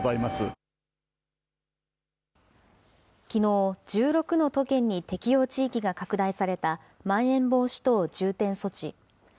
きのう、１６の都県に適用地域が拡大されたまん延防止等重点措置。